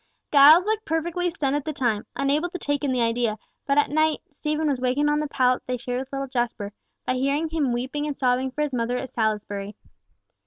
Giles looked perfectly stunned at the time, unable to take in the idea, but at night Stephen was wakened on the pallet that they shared with little Jasper, by hearing him weeping and sobbing for his mother at Salisbury.